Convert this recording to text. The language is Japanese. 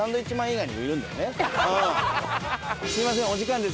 すみませんお時間です。